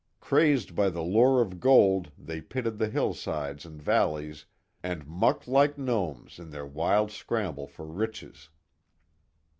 Crazed by the lure of gold they pitted the hillsides and valleys and mucked like gnomes in their wild scramble for riches.